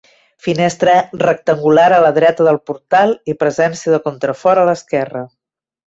Finestra rectangular a la dreta del portal i presència de contrafort a l'esquerra.